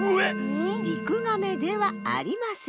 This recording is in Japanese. リクガメではありません。